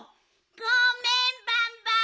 ごめんバンバン。